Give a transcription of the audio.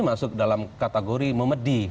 masuk dalam kategori memedih